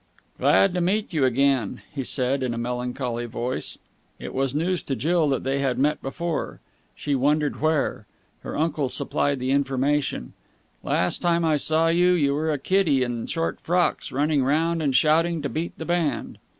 "Glad to meet you again," he said in a melancholy voice. It was news to Jill that they had met before. She wondered where. Her uncle supplied the information. "Last time I saw you, you were a kiddy in short frocks, running round and shouting to beat the band."